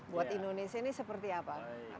buat indonesia ini seperti apa